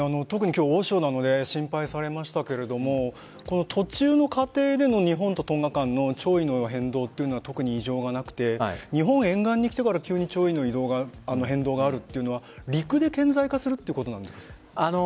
特に今日大潮なので心配されましたが途中の過程での日本とトンガ間の潮位の変動というのは特に異常がなくて日本沿岸にきてから急に潮位の変動があるというのは陸で顕在化するということなんですか？